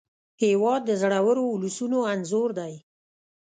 هېواد د زړورو ولسونو انځور دی.